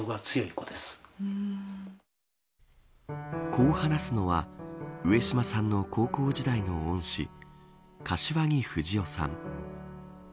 こう話すのは上島さんの高校時代の恩師柏木冨士男さん。